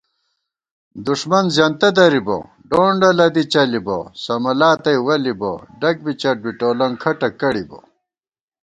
دُݭمن زېنتہ درِبہ ڈونڈہ لدی چلِبہ سمَلا تئ وَلِبہ ڈگ بی چٹ بی ٹولَنگ کھٹہ کڑِبہ